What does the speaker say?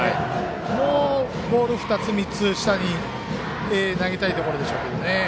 もうボール２つ、３つ下に投げたいところですね。